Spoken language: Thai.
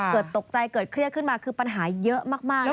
เกิดตกใจเกิดเครียดขึ้นมาคือปัญหาเยอะมากนะคะ